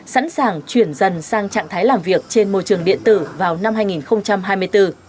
sẵn sàng chuyển dần sang trạng thái làm việc trên môi trường điện tử vào năm hai nghìn hai mươi bốn